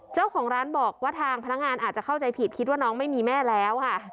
เจ้าของร้านบอกว่าทางพนักงานอาจจะเข้าใจผิดคิดว่าน้องไม่มีแม่แล้วค่ะ